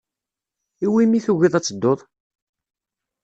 Iwimi tugiḍ ad tedduḍ?